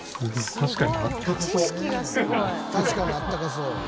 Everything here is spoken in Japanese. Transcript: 確かにあったかそう。